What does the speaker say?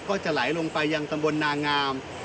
ก็จะไหลลงไปยังตำบลนางาม